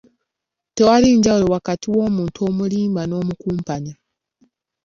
Tewali njawulo wakati w'omuntu omulimba n'omukumpanya.